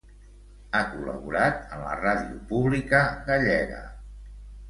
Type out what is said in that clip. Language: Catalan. Ha col·laborat en la ràdio pública gallega.